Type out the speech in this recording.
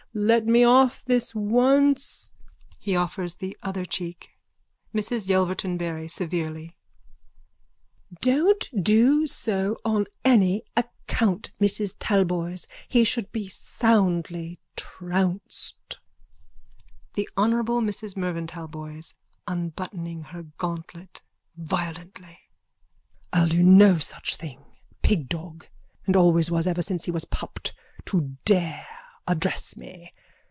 Let me off this once. (He offers the other cheek.) MRS YELVERTON BARRY: (Severely.) Don't do so on any account, Mrs Talboys! He should be soundly trounced! THE HONOURABLE MRS MERVYN TALBOYS: (Unbuttoning her gauntlet violently.) I'll do no such thing. Pigdog and always was ever since he was pupped! To dare address me!